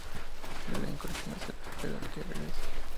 El elenco original se espera que regrese.